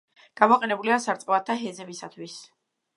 გამოყენებულია სარწყავად და ჰესებისათვის.